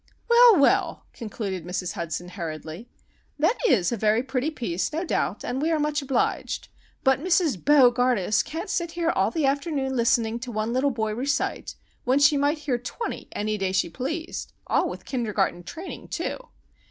"Well, well," concluded Mrs. Hudson, hurriedly. "This is a very pretty piece, no doubt, and we are much obliged; but Mrs. Bo gardus can't sit here all the afternoon listening to one little boy recite, when she might hear twenty any day she pleased, all with kindergarten training, too!